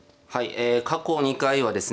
ええ過去２回はですね